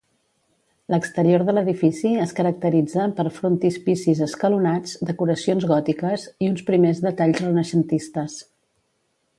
L'exterior de l'edifici es caracteritza per frontispicis escalonats, decoracions gòtiques i uns primers detalls renaixentistes.